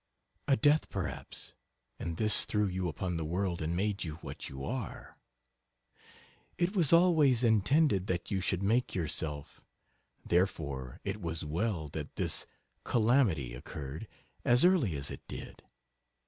MADAME. A death perhaps, and this threw you upon the world and made you what you are; it was always intended that you should make yourself; therefore, it was well that this calamity occurred as early as it did.